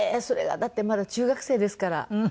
それがだってまだ中学生ですから。